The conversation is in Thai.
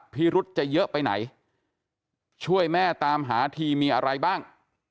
พิรุษจะเยอะไปไหนช่วยแม่ตามหาทีมีอะไรบ้าง